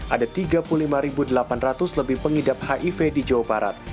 ada tiga puluh lima delapan ratus lebih pengidap hiv di jawa barat